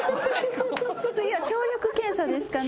次は聴力検査ですかね。